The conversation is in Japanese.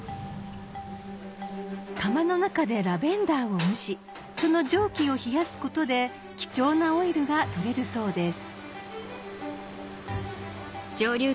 釜の中でラベンダーを蒸しその蒸気を冷やすことで貴重なオイルが取れるそうです